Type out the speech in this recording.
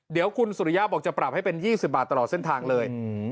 เดี๋ยวคุณสุริยะบอกจะปรับให้เป็น๒๐บาทตลอดเส้นทางเลย